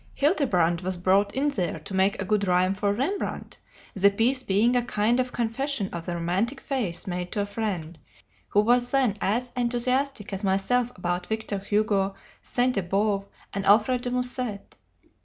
"Childebrand was brought in there to make a good rhyme for Rembrandt, the piece being a kind of confession of the romantic faith made to a friend, who was then as enthusiastic as myself about Victor Hugo, Sainte Beuve, and Alfred de Musset....